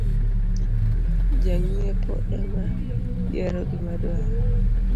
Jang’iepo emayiero gimodwaro